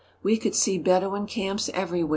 We could see Bedouin camps everywhere.